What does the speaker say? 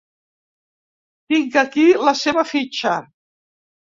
Tinc aquí la teva fitxa.